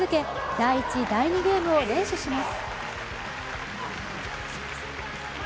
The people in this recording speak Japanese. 第１、第２ゲームを連取します。